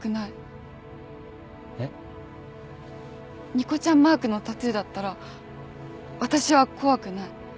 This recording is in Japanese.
ニコちゃんマークのタトゥーだったら私は怖くない。